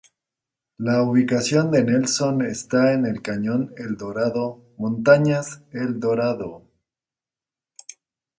La ubicación de Nelson está en el cañón Eldorado, montañas Eldorado.